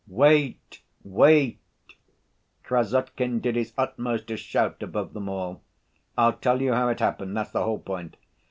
"Wait, wait," Krassotkin did his utmost to shout above them all. "I'll tell you how it happened, that's the whole point.